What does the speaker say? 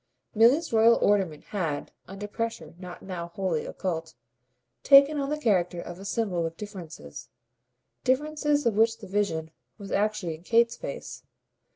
Milly's royal ornament had under pressure now not wholly occult taken on the character of a symbol of differences, differences of which the vision was actually in Kate's face.